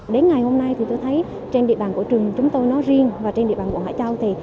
đến ngày hôm nay thì tôi thấy trên địa bàn của trường chúng tôi nó riêng và trên địa bàn của hải châu thì